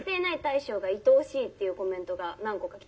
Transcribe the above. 「っていうコメントが何個か来てます」。